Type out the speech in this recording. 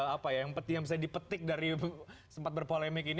apa ya yang bisa dipetik dari sempat berpolemik ini